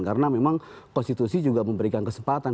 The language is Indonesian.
karena memang konstitusi juga memberikan kesempatan